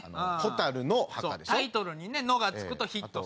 タイトルに「の」が付くとヒットする。